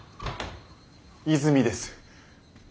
泉です。